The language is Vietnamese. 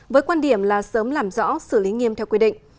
với quan điểm là sớm làm rõ xử lý nghiêm theo quy định